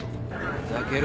ふざけるな。